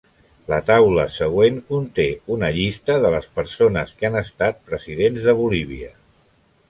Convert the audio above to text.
La taula següent conté una llista de les persones que han estat Presidents de Bolívia.